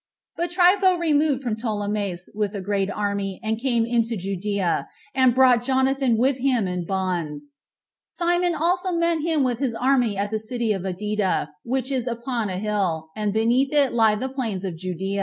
5. But Trypho removed from Ptolemais with a great army, and came into Judea, and brought Jonathan with him in bonds. Simon also met him with his army at the city Adida, which is upon a hill, and beneath it lie the plains of Judea.